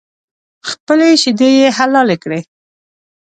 خپلې شیدې یې حلالې کړې.